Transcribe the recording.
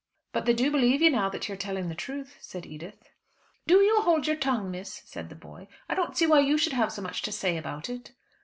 "But they do believe you now that you are telling the truth," said Edith. "Do you hold your tongue, miss," said the boy, "I don't see why you should have so much to say about it."